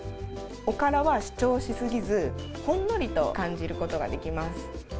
おからは主張しすぎず、ほんのりと感じることができます。